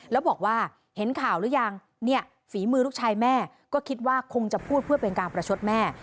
แล้วบอกว่าเห็นข่าวหรือยังเนี่ยฝีมือลูกชายแม่ก็คิดว่าคงจะพูดเพื่อเป็นการประชดแม่